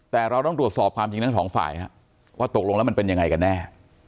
แต่เราต้องตรวจสอบความจริงทั้งสองฝ่ายว่าตกลงแล้วมันเป็นยังไงกันแน่